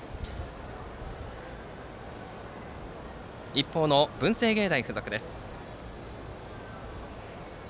一方の文星芸大付属です。